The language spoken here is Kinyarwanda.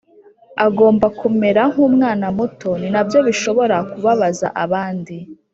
agomba kumera nk’umwana muto ni nabyo bishobora kubabaza abandi